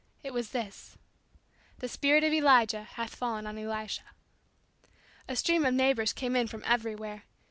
It was this: "The spirit of Elijah hath fallen on Elisha." A stream of neighbors came in from everywhere.